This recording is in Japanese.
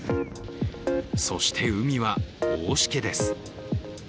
そして海は大しけです。